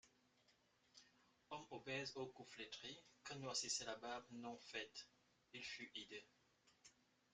Homme obèse au cou flétri, que noircissait la barbe non faite, il fut hideux.